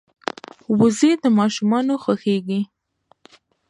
وزې د ماشومانو خوښېږي